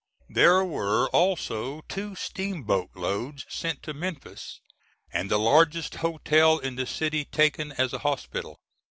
There were also two steamboat loads sent to Memphis and the largest hotel in the city taken as a hospital.